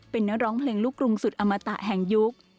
เป็นนักร้องเพลงลูกกรุงสุดอมตะแห่งยุค